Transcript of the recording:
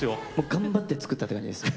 頑張って作ったって感じです。